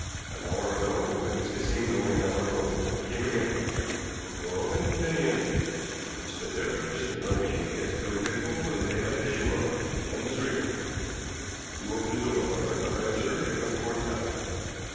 An hour ago, at least it seems only an hour ago, he came again. The door opened, and he entered. He stood there just in front of me, as clearly visible in the daylight as you are, and as real. When you opened the door, I thought my visitor had come a fourth time."